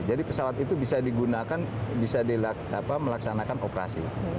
jadi pesawat itu bisa digunakan bisa melaksanakan operasi